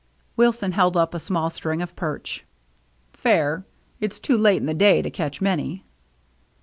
Wilson held up a small string of perch. " Fair. It's too late in the day to catch many."